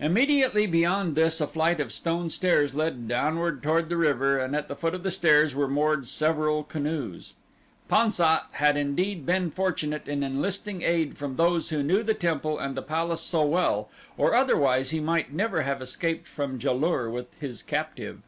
Immediately beyond this a flight of stone stairs led downward toward the river and at the foot of the stairs were moored several canoes. Pan sat had indeed been fortunate in enlisting aid from those who knew the temple and the palace so well, or otherwise he might never have escaped from Ja lur with his captive.